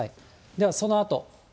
ではそのあと。